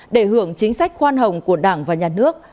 để hưởng chính sách khoan hồng của đảng và nhà nước